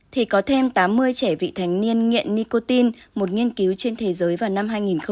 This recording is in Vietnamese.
thì có thêm tám mươi trẻ vị thành niên nghiện nicotine một nghiên cứu trên thế giới vào năm hai nghìn một mươi